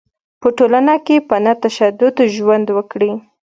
په ټولنه کې په نه تشدد ژوند وکړي.